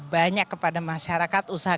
banyak kepada masyarakat usaha